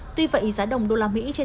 tuy vậy giá đồng đô la mỹ trên thị trường